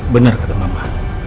bener kata mama